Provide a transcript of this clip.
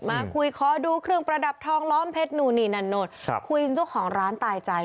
มาคุยขอดูเครื่องประดับทองล้อมเพชรนู่นนี่นั่นนู่นคุยเจ้าของร้านตายใจ